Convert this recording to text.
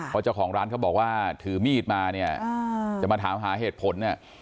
เพราะเจ้าของร้านเขาบอกว่าถือมีดมาเนี่ยจะมาถามหาเหตุผลเนี่ย